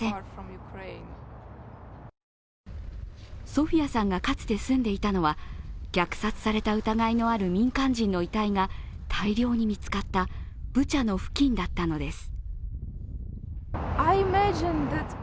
ソフィアさんがかつて住んでいたのは、虐殺された疑いがある民間人の遺体が大量に見つかったブチャの付近だったのです。